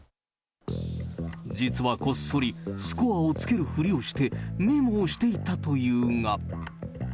実はこっそり、スコアをつけるふりをして、メモをしていたというが。